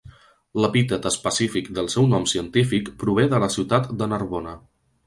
L'epítet específic del seu nom científic prové de la ciutat de Narbona.